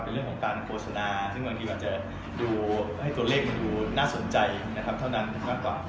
เป็นเรื่องของการโฆษณาซึ่งบางทีอาจจะดูให้ตัวเลขมันดูน่าสนใจนะครับเท่านั้นมากกว่า